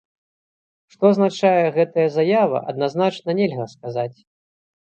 Што азначае гэтая заява, адназначна нельга сказаць.